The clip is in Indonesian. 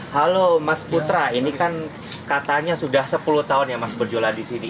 halo mas putra ini kan katanya sudah sepuluh tahun ya mas berjualan di sini